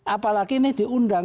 apalagi ini diundang